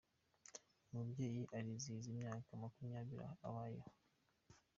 umubyeyi ariizihiza imyaka makumyabiri abayeho